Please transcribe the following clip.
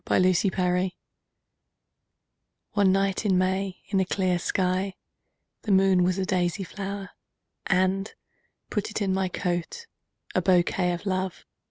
My Flower ONE night in May in a clear skyThe moon was a daisy flower:And! put it in my coat,A bouquet of Love!